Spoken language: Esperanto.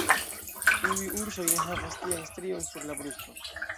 Iuj ursoj ne havas tian strion sur la brusto.